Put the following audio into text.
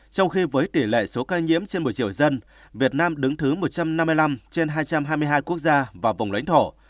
trong khi với tỷ lệ số ca nhiễm trên một mươi triệu dân việt nam đứng thứ một trăm năm mươi năm trên hai trăm hai mươi hai quốc gia và vùng lãnh thổ